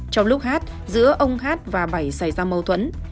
trong lúc hát giữa ông hát và bảy xảy ra mâu thuẫn